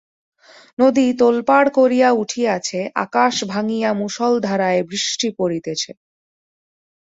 নদী তোলপাড় করিয়া উঠিয়াছে, আকাশ ভাঙিয়া মুষলধারায় বৃষ্টি পড়িতেছে।